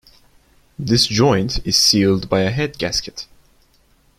This joint is sealed by a head gasket.